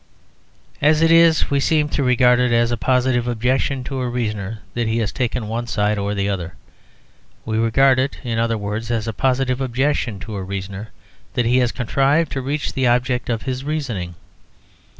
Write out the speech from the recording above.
As it is, we seem to regard it as a positive objection to a reasoner that he has taken one side or the other. We regard it (in other words) as a positive objection to a reasoner that he has contrived to reach the object of his reasoning.